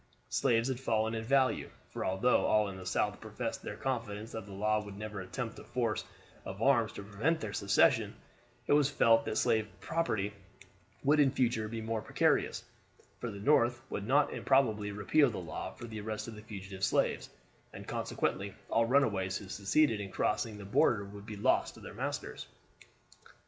Slaves had fallen in value; for although all in the South professed their confidence that the law would never attempt by force of arms to prevent their secession, it was felt that slave property would in future be more precarious, for the North would not improbably repeal the laws for the arrest of fugitive slaves, and consequently all runaways who succeeded in crossing the border would be lost to their masters.